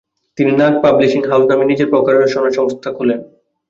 তিনি Nag publishing house নামে নিজের প্রকাশনা সংস্থা খোলেন।